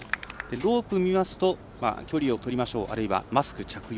ロープを見ますと距離を取りましょうあるいはマスク着用